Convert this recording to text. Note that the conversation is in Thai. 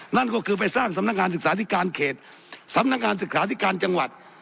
นั่นก็คือไปสร้างสำนักงานศึกษาธิการเขตสำนักงานศึกษาธิการจังหวัด